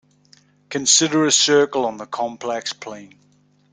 Consider a circle on the complex plane.